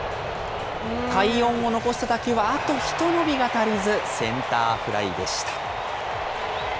快音を残した打球は、あと一伸びが足りず、センターフライでした。